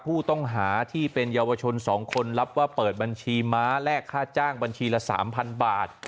ผู้ต้องหาที่เป็นเยาวชน๒คนรับว่าเปิดบัญชีม้าแลกค่าจ้างบัญชีละ๓๐๐บาท